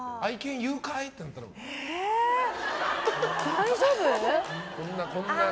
大丈夫？